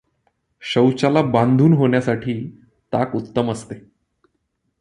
शौचाला बांधून होण्यासाठी ताक उत्तम असते.